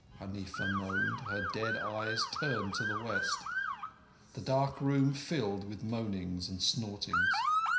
_" Huneefa moaned, her dead eyes turned to the west. The dark room filled with moanings and snortings.